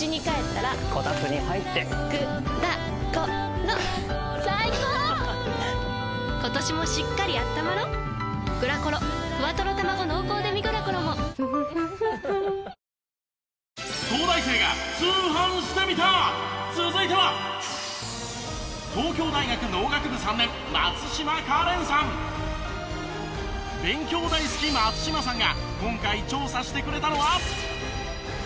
勉強大好き松島さんが今回調査してくれたのは。